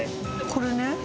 これね。